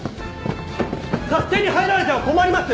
勝手に入られては困ります！